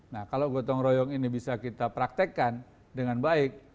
nah kalau gotong royong ini bisa kita praktekkan dengan baik